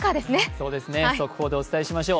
そうですね、速報でお伝えしましょう。